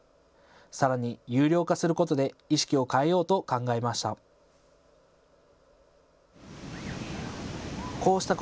さらに有料化することで意識を変えようと考えました。